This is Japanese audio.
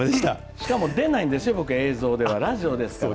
しかも出ないんですよ、僕、映像では、ラジオですから。